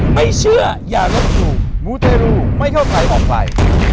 ไม่เชื่อยากลับสู่มูเตรูไม่เข้าใครออกไป